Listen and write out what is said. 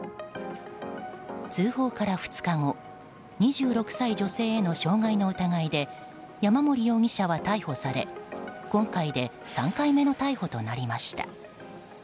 通報から２日後２６歳女性への傷害の疑いで山森容疑者は逮捕され今回で３回目の逮捕となりました。